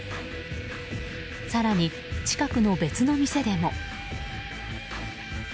更に、近くの別の店でも。